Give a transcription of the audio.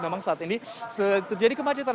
memang saat ini terjadi kemacetan